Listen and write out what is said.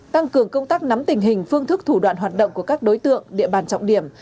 tăng cường công tác nắm tình hình phương thức thủ đoạn hoạt động của các đối tượng địa bàn trọng điểm